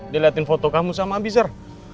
dia liatin foto kamu sama abisar